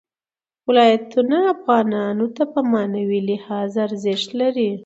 ولایتونه افغانانو ته په معنوي لحاظ ارزښت لري.